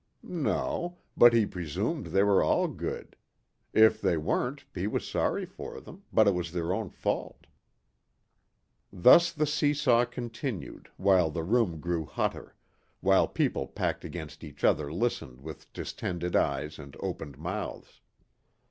No, but he presumed they were all good. If they weren't he was sorry for them, but it was their own fault. Thus the see saw continued while the room grew hotter, while people packed against each other listened with distended eyes and opened mouths.